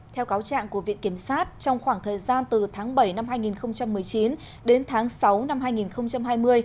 theo cáo trạng của viện kiểm sát trong khoảng thời gian từ tháng bảy năm hai nghìn một mươi chín đến tháng sáu năm hai nghìn hai mươi